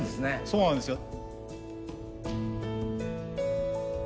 そうなんですよ。